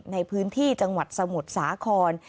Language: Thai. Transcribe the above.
ในพื้นที่จังหวัดสมุทรสาคร